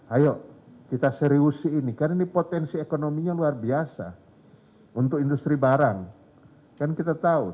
ayo kita seriusi ini karena ini potensi ekonominya luar biasa untuk industri barang kan kita tahu